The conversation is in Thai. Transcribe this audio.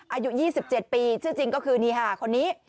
อายุ๒๗ปีชื่อจริงก็คือนี่ค่ะคนนี้